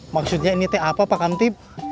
maksudnya ini t a a p pak kamtip